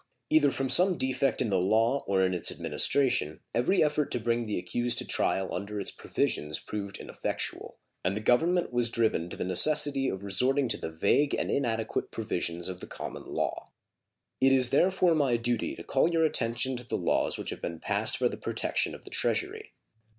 Either from some defect in the law or in its administration every effort to bring the accused to trial under its provisions proved ineffectual, and the Government was driven to the necessity of resorting to the vague and inadequate provisions of the common law. It is therefore my duty to call your attention to the laws which have been passed for the protection of the Treasury.